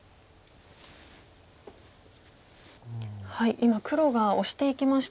今黒がオシていきました。